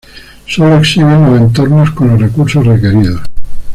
Solo exhiben los entornos con los recursos requeridos.